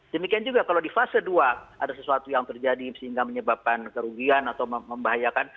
demikian juga kalau di fase dua ada sesuatu yang terjadi sehingga menyebabkan kerugian atau membahayakan